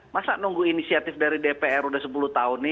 masa nunggu inisiatif dari dpr sudah sepuluh tahun nih